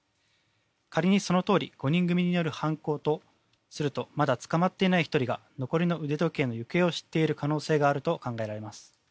仮にそのとおり５人組による犯行とするとまだ捕まっていない１人が残りの腕時計の行方を知っている可能性があると考えられます。